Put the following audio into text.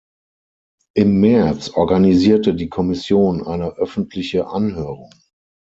Im März organisierte die Kommission eine öffentliche Anhörung.